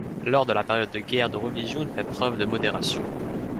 Lors de la période des guerres de religion il fait preuve de modération.